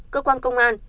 cơ quan công an